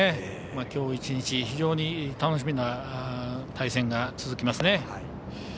きょう１日非常に楽しみな対戦が続きますね。